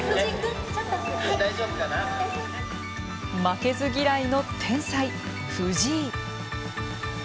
負けず嫌いの天才・藤井。